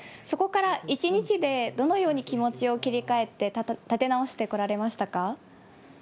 そこから１日で、どのように気持ちを切り替えて、立て直してこら